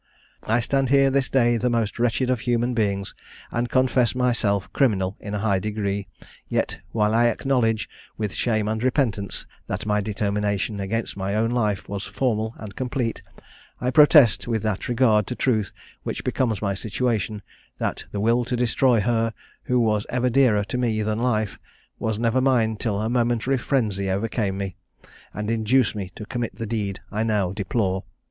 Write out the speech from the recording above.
"I stand here this day the most wretched of human beings, and confess myself criminal in a high degree; yet while I acknowledge, with shame and repentance, that my determination against my own life was formal and complete, I protest, with that regard to truth which becomes my situation, that the will to destroy her, who was ever dearer to me than life, was never mine till a momentary frenzy overcame me, and induced me to commit the deed I now deplore.